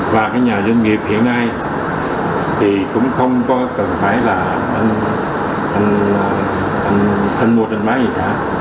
và cái nhà doanh nghiệp hiện nay thì cũng không có cần phải là anh mua anh bán gì cả